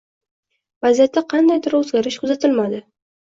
Vaziyatda qandaydir oʻzgarish kuzatilmadi.